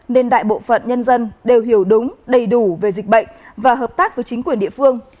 nên đại bộ phận nhân dân đều hiểu đúng đầy đủ về dịch bệnh và hợp tác với chính quyền địa phương